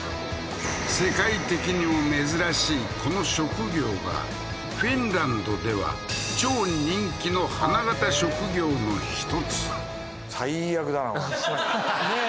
世界的にも珍しいこの職業がフィンランドでは超人気の花形職業の一つははははっねえ